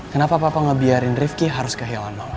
kenapa papa ngebiarin rifqi harus kehilangan lo